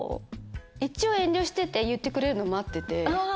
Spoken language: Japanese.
一応遠慮してて言ってくれるの待ってて。